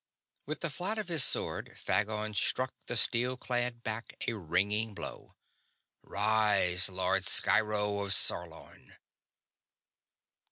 With the flat of his sword Phagon struck the steel clad back a ringing blow. "Rise, Lord Sciro of Sarlon!"